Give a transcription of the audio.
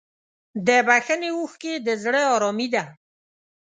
د بښنې اوښکې د زړه ارامي ده.